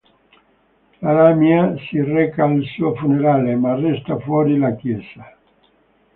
La "lamia" si reca al suo funerale, ma resta fuori la chiesa.